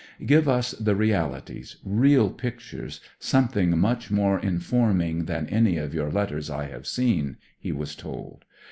"Give us the realities, real pictures, something much more informing than any of your letters I have seen," he was told.